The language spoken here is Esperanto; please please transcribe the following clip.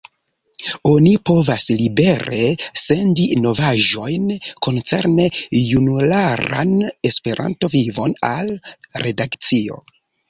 Oni povas libere sendi novaĵojn koncerne junularan Esperanto-vivon al la redakcio.